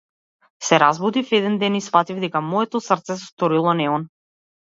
Се разбудив еден ден и сфатив дека моето срце се сторило неон.